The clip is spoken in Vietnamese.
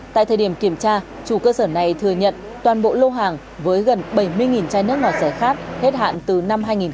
tại thời điểm kiểm tra chủ cơ sở này thừa nhận toàn bộ lô hàng với gần bảy mươi chai nước rẻ khát hết hạn từ năm hai nghìn một mươi bảy hai nghìn một mươi tám là của mình